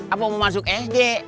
atau mau masuk sd